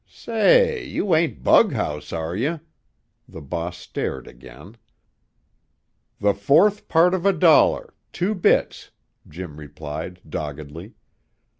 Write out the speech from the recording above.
"Say, you ain't bughouse, are you?" The boss stared again. "The fourth part of a dollar, two bits!" Jim replied doggedly.